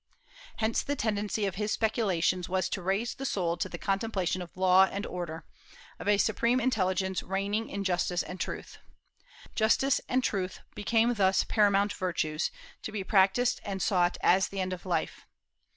Hence the tendency of his speculations was to raise the soul to the contemplation of law and order, of a supreme Intelligence reigning in justice and truth. Justice and truth became thus paramount virtues, to be practised and sought as the end of life.